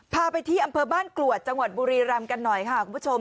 พาไปที่อำเภอบ้านกรวดจังหวัดบุรีรำกันหน่อยค่ะคุณผู้ชม